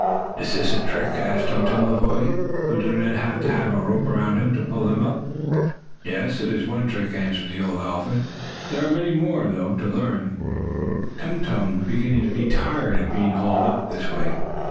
"Is this a trick?" asked Tum Tum of Hoy, who did not have to have a rope around him to pull him up. "Yes, it is one trick," answered the old elephant. "There are many more, though, to learn." Tum Tum was beginning to be tired of being hauled up this way.